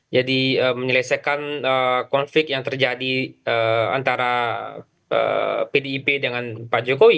jadi menyelesaikan konflik yang terjadi antara pdip dengan pak jokowi